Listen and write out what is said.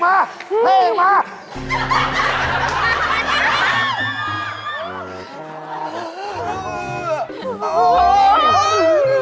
แฟนมาแฟนมา